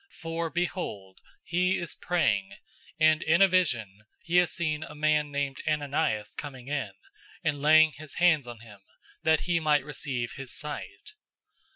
For behold, he is praying, 009:012 and in a vision he has seen a man named Ananias coming in, and laying his hands on him, that he might receive his sight."